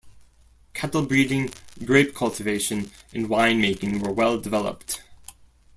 Cattle-breeding, grape cultivation and wine making were well-developed.